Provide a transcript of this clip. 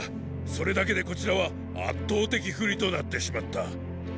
それだけでこちらは圧倒的不利となってしまった。